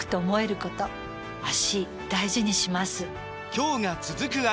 今日が、続く脚。